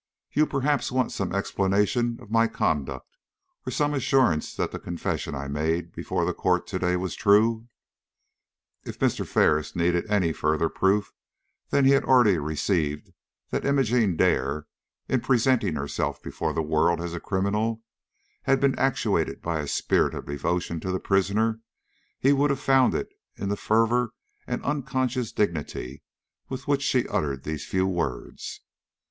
"You perhaps want some explanation of my conduct, or some assurance that the confession I made before the court to day was true?" If Mr. Ferris had needed any further proof than he had already received that Imogene Dare, in presenting herself before the world as a criminal, had been actuated by a spirit of devotion to the prisoner, he would have found it in the fervor and unconscious dignity with which she uttered these few words.